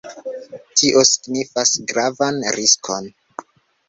Tio signifis gravan riskon.